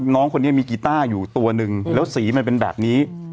น้องคนนี้มีกีต้าอยู่ตัวหนึ่งแล้วสีมันเป็นแบบนี้